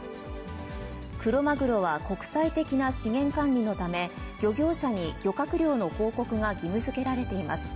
クロマグロは国際的な資源管理のため、漁業者に漁獲量の報告が義務づけられています。